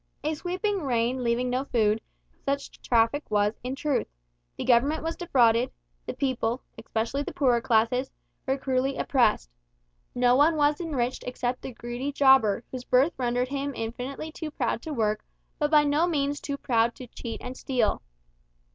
"A sweeping rain leaving no food," such traffic was, in truth. The Government was defrauded; the people, especially the poorer classes, were cruelly oppressed. No one was enriched except the greedy jobber, whose birth rendered him infinitely too proud to work, but by no means too proud to cheat and steal.